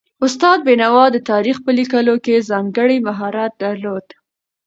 استاد بینوا د تاریخ په لیکلو کې ځانګړی مهارت درلود